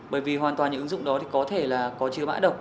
bởi vì hoàn toàn những ứng dụng đó thì có thể là có chứa mã độc